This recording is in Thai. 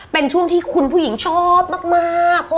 เป็นช่วงที่คุณผู้หญิงชอบมาก